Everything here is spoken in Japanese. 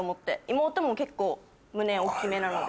妹も結構胸大っきめなので。